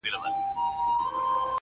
له مشرقه تر مغربه له شماله تر جنوبه-